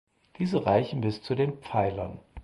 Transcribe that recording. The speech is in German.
Diese reichen bis zu den Pfeilern.